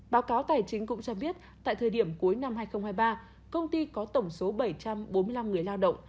báo cáo tài chính cũng cho biết tại thời điểm cuối năm hai nghìn hai mươi ba công ty có tổng số bảy trăm bốn mươi năm người lao động